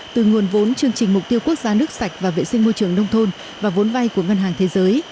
từ nguồn vốn chương trình mục tiêu quốc gia nước sạch và vệ sinh môi trường nông thôn và vốn vay của ngân hàng thế giới